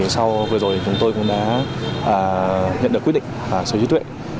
sau vừa rồi chúng tôi cũng đã nhận được quyết định sở hữu trí tuệ